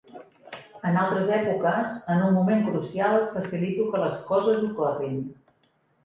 En altres èpoques, en un moment crucial, facilito que les coses ocorrin.